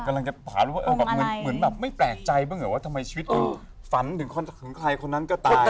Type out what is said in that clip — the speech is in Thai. กำลังจะถามว่าเหมือนแบบไม่แปลกใจบ้างเหรอว่าทำไมชีวิตนึงฝันถึงใครคนนั้นก็ตาย